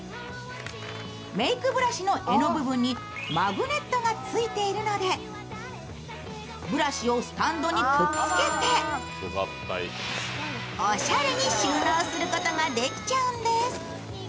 メークブラシの柄の部分にマグネットがついているので、ブラシをスタンドにくっつけておしゃれに収納することができちゃうんです。